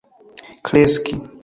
kreski